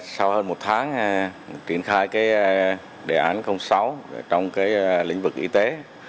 sau hơn một tháng triển khai đề án sáu trong lĩnh vực y tế